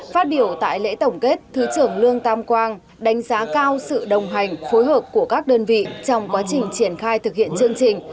phát biểu tại lễ tổng kết thứ trưởng lương tam quang đánh giá cao sự đồng hành phối hợp của các đơn vị trong quá trình triển khai thực hiện chương trình